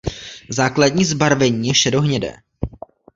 Základní zbarvení je šedohnědé.